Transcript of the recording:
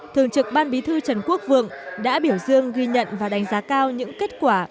thường trực ban bí thư trần quốc vượng đã biểu dương ghi nhận và đánh giá cao những kết quả